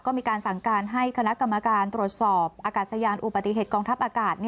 ก็มีการสั่งการให้คณะกรรมการตรวจสอบอากาศยานอุบัติเหตุกองทัพอากาศ